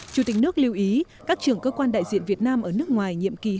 chủ tịch nước lưu ý các trưởng cơ quan đại diện việt nam ở nước ngoài nhiệm kỳ hai nghìn hai mươi